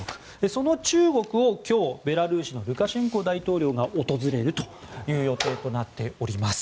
その中国を今日、ベラルーシのルカシェンコ大統領が訪れるという予定となっております。